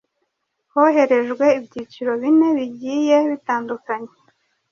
hoherejwe ibyiciro bine bigiye bitandukanye